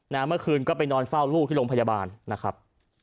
เมื่อคืนก็ไปนอนเฝ้าลูกที่โรงพยาบาลนะครับ